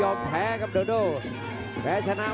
โอ้โหไม่พลาดกับธนาคมโด้แดงเขาสร้างแบบนี้